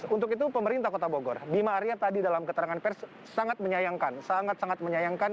untuk itu pemerintah kota bogor bima arya tadi dalam keterangan pers sangat menyayangkan